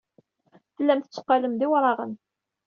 Tellam tetteqqalem d iwraɣen.